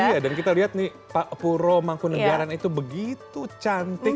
iya dan kita lihat nih pak puro mangkunagaran itu begitu cantik